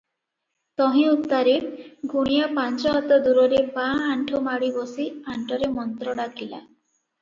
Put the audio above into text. ତହିଁ ଉତ୍ତାରେ ଗୁଣିଆ ପାଞ୍ଚହାତ ଦୂରରେ ବାଆଁ ଆଣ୍ଠୁ ମାଡି ବସି ଆଣ୍ଟରେ ମନ୍ତ୍ର ଡାକିଲା-